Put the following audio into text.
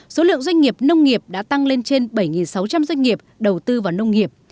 số lượng doanh nghiệp nông nghiệp đã tăng lên trên bảy sáu trăm linh doanh nghiệp đầu tư vào nông nghiệp